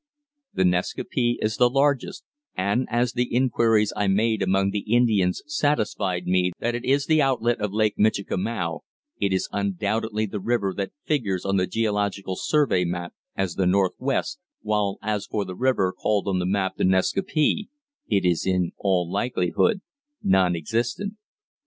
The Nascaupee is the largest, and as the inquiries I made among the Indians satisfied me that it is the outlet of Lake Michikamau, it is undoubtedly the river that figures on the Geological Survey map as the Northwest, while as for the river called on the map the Nascaupee, it is in all likelihood non existent.